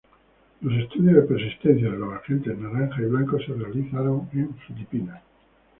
Los estudios de persistencia de los Agentes Naranja y Blanco se realizaron en Filipinas.